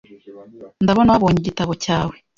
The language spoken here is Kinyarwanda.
Ndabona wabonye igitabo cyawe .